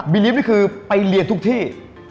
บีรีฟนี่คือไปเรียนทุกที่